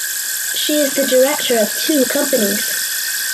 She is the director of two companies.